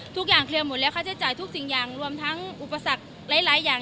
เคลียร์หมดแล้วค่าใช้จ่ายทุกสิ่งอย่างรวมทั้งอุปสรรคหลายอย่าง